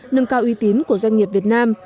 nâng cao uy tín của doanh nghiệp việt nam